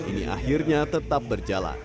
ini akhirnya tetap berjalan